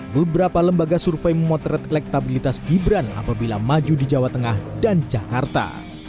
beberapa lembaga survei memotret elektabilitas gibran apabila maju di jawa tengah dan jakarta